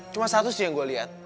cuma satu sih yang gue liat